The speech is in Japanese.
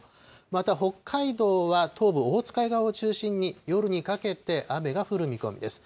また北海道は東部、オホーツク海側を中心に夜にかけて雨が降る見込みです。